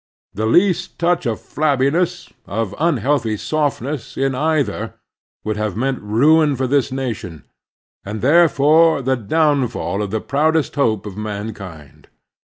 The least touch of flabbiness, of tmhealthy softness, in either would have meant ruin for this nation, and there fore the downfall of the proudest hope of mankind.